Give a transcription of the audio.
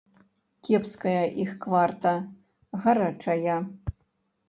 Кепская іх кварта, гарачая.